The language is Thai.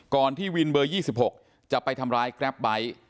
ที่วินเบอร์๒๖จะไปทำร้ายแกรปไบท์